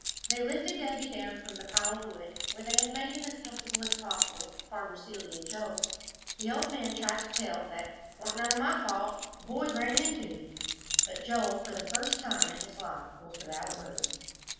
They lifted Davie down from the pile of wood, where they had made him as comfortable as possible, Farmer Seeley and Joel; the old man tried to tell that "'Twarn't none o' my fault. Th' boys ran into me," but Joel, for the first time in his life, was without words.